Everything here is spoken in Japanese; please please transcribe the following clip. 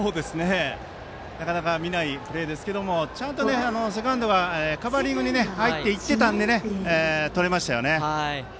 なかなか見ないプレーですがちゃんとセカンドがカバーリングに入って行ってたのでとれましたよね。